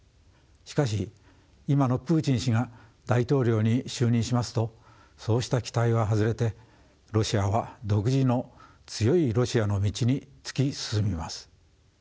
しかし今のプーチン氏が大統領に就任しますとそうした期待は外れてロシアは独自の強いロシアの道に突き進みます。